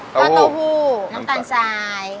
ข้าวโต้ผู้น้ำตาลทราย